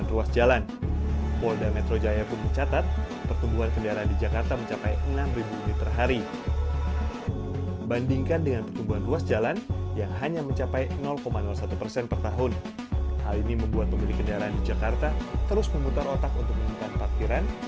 hal ini membuat pemilik kendaraan di jakarta terus memutar otak untuk menemukan parkiran